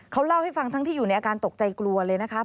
เขาเล่าให้ฟังทั้งที่อยู่ในอาการตกใจกลัวเลยนะคะ